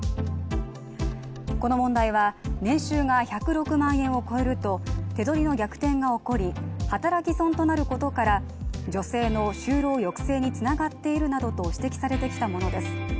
この問題は、年収が１０６万円を超えると手取りの逆転が起こり、働き損となることから女性の就労抑制につながっているなどと指摘されてきたものです。